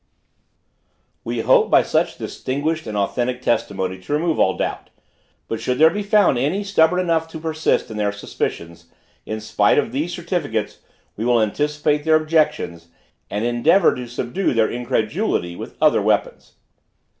We hope by such distinguished and authentic testimony to remove all doubt; but should there be found any stubborn enough to persist in their suspicions, in spite of these certificates, we will anticipate their objections, and endeavor to subdue their incredulity with other weapons.